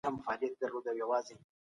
په کارونو کې صادق اوسئ.